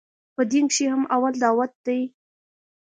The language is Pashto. په دين کښې هم اول دعوت ديه.